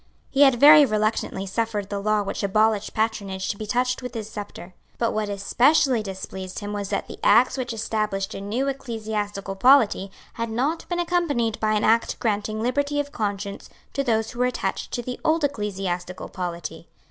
He had very reluctantly suffered the law which abolished patronage to be touched with his sceptre. But what especially displeased him was that the Acts which established a new ecclesiastical polity had not been accompanied by an Act granting liberty of conscience to those who were attached to the old ecclesiastical polity.